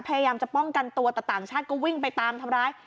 พยายามจะป้องกันตัวแต่ต่างชาติก็วิ่งไปตามทำร้าย